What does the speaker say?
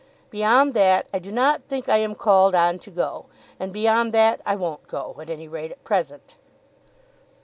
Beyond that, I do not think I am called on to go; and beyond that I won't go, at any rate, at present."